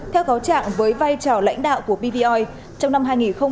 theo cáo trạng với vai trò lãnh đạo của pvoi trong năm hai nghìn một mươi ba hai nghìn một mươi bốn